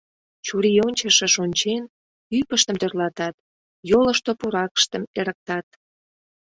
Чурийончышыш ончен, ӱпыштым тӧрлатат, йолышто пуракыштым эрыктат.